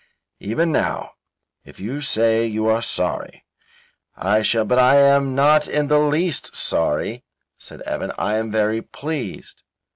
Even now, if you say that you are sorry I shall only " "But I am not in the least sorry," said Evan, "I am very pleased."